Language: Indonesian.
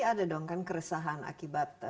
ada dong kan keresahan akibat